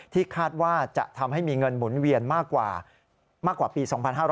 คาดว่าจะทำให้มีเงินหมุนเวียนมากกว่าปี๒๕๕๙